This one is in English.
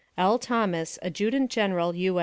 L. THOMAS, Adjutant General, U.